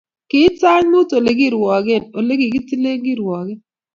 Kiit sait mut Ole kirwoke ole kikitile kirwoket